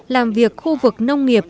làm việc khu vực nông nghiệp